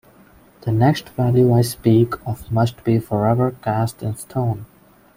The next value I speak of must be forever cast in stone.